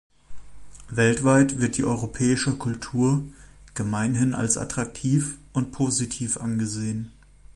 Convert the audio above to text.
Weltweit wird die europäische Kultur gemeinhin als attraktiv und positiv angesehen.